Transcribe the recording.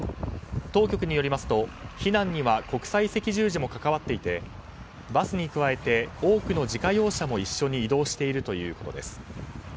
当局によりますと、避難には国際赤十字も関わっていてバスに加えて多くの自家用車も一緒に移動しているということです。